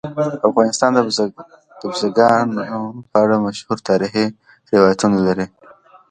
افغانستان د بزګانو په اړه مشهور تاریخی روایتونه لري.